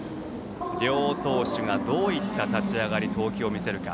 両投手がどういった立ち上がり、投球を見せるか。